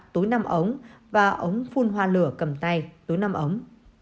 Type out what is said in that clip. túi năm ống và ống phun hoa lửa cầm tay túi năm ống